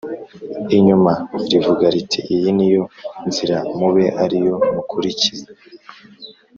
inyuma rivuga riti Iyi ni yo nzira mube ari yo mukurikira